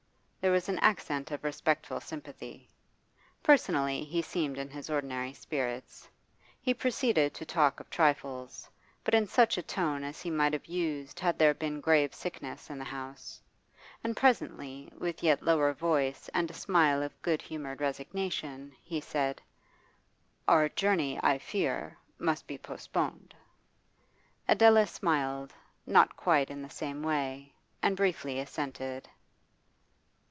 there was an accent of respectful sympathy. Personally, he seemed in his ordinary spirits. He proceeded to talk of trifles, but in such a tone as he might have used had there been grave sickness in the house. And presently, with yet lower voice and a smile of good humoured resignation, he said 'Our journey, I fear, must be postponed.' Adela smiled, not quite in the same way, and briefly assented.